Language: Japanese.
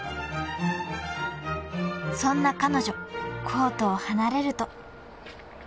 ［そんな彼女コートを離れると］